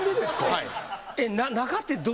はい。